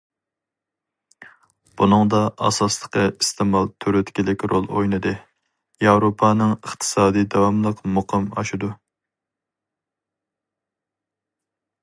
بۇنىڭدا ئاساسلىقى ئىستېمال تۈرتكىلىك رول ئوينىدى، ياۋروپانىڭ ئىقتىسادى داۋاملىق مۇقىم ئاشىدۇ.